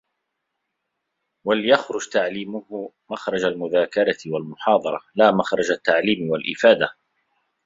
وَلْيَخْرُجْ تَعْلِيمُهُ مَخْرَجَ الْمُذَاكَرَةِ وَالْمُحَاضَرَةِ لَا مَخْرَجَ التَّعْلِيمِ وَالْإِفَادَةِ